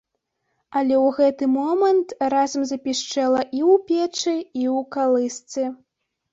Але ў гэты момант разам запішчэла і ў печы, і ў калысцы.